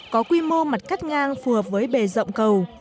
có quy mô mặt cắt ngang phù hợp với bề rộng cầu